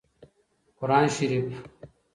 قران شريف